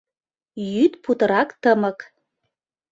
Йӱд путырак тымык.